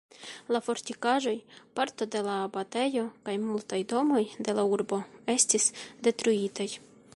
La fortikaĵoj, parto de la abatejo kaj multaj domoj de la urbo estis detruitaj.